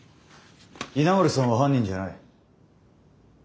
稲森さんは犯人じゃない。